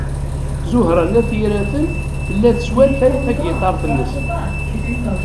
Ẓuhṛa n At Yiraten tella teswatay tagiṭart-nnes.